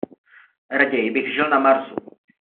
Raději bych žil na Marsu.